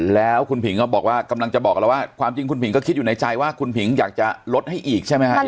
แล้วคุณผิงก็บอกว่ากำลังจะบอกกับเราว่าความจริงคุณผิงก็คิดอยู่ในใจว่าคุณผิงอยากจะลดให้อีกใช่ไหมครับ